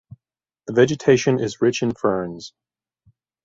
The vegetation is rich in ferns.